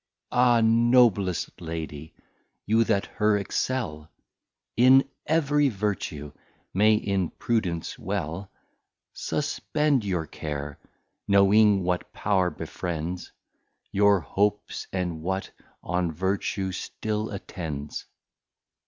Ah Noblest Lady! You that her excel In every Vertue, may in Prudence well Suspend your Care; knowing what power befriends Your Hopes, and what on Vertue still attends.